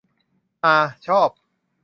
ฮา ชอบ